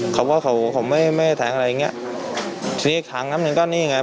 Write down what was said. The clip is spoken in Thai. เขาว่าเขาเขาไม่ไม่แทงอะไรอย่างเงี้ยทีนี้อีกครั้งหนึ่งก็นี่ไง